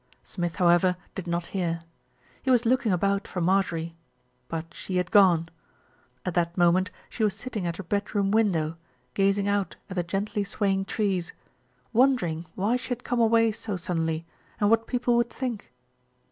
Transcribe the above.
Smith, however, did not hear. He was looking about for Marjorie; but she had gone. At that mo ment she was sitting at her bedroom window, gazing out at the gently swaying trees, wondering why she had come away so suddenly and what people would think.